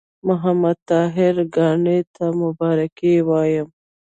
محمد طاهر کاڼي ته مبارکي وایم.